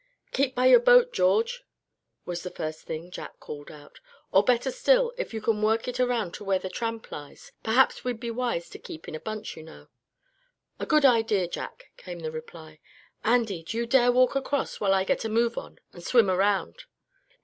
"Keep by your boat, George!" was the first thing Jack called out, "or better still, if you can work it around to where the Tramp lies. Perhaps we'd be wise to keep in a bunch, you know." "A good idea, Jack," came the reply. "Andy, do you dare walk across, while I get a move on, and swim around?"